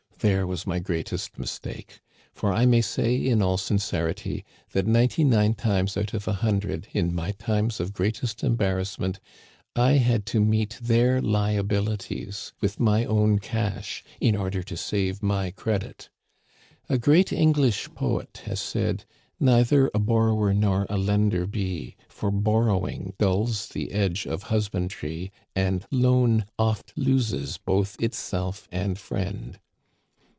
There was my greatest mistake ; for I may say in all sincerity that ninety nine times out of a hundred, in my times of greatest embarrassment, I had to meet their liabilities with my own cash in order to save my credit. A great English poet has said :Neither a borrower nor a lender be. For borrowing dulls the edge of husbandry, And loan oft loses both itself and friend.